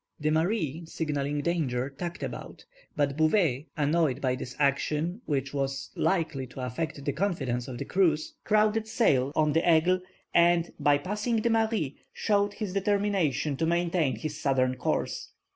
The Marie, signalling danger, tacked about, but Bouvet, annoyed by this action, which was likely to affect the confidence of the crews, crowded sail on the Aigle, and, by passing the Marie, showed his determination to maintain his southern course.